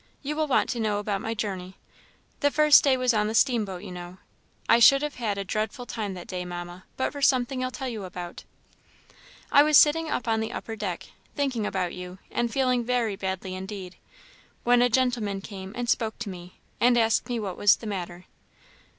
You will want to know about my journey. The first day was on the steamboat, you know. I should have had a dreadful time that day, Mamma, but for something I'll tell you about. I was sitting up on the upper deck, thinking about you, and feeling very badly indeed, when a gentleman came and spoke to me, and asked me what was the matter.